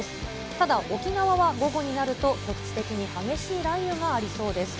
ただ、沖縄は午後になると局地的に激しい雷雨がありそうです。